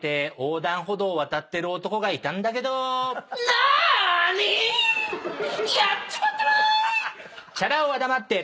なに⁉やっちまったな！